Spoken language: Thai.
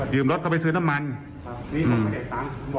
ยืมรถเข้ามาสืบน้ำมันละครับ